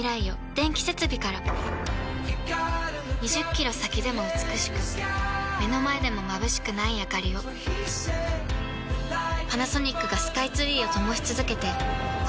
２０キロ先でも美しく目の前でもまぶしくないあかりをパナソニックがスカイツリーを灯し続けて今年で１０年